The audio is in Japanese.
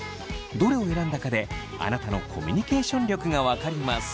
どれを選んだかであなたのコミュニケーション力が分かります。